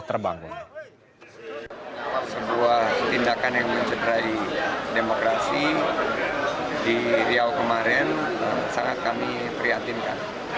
sebuah tindakan yang mencederai demokrasi di riau kemarin sangat kami prihatinkan